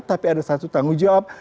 tapi ada satu tanggung jawab